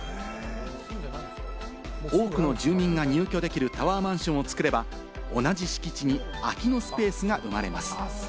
多くの住民が入居できるタワーマンションを作れば、同じ敷地に空きのスペースが生まれます。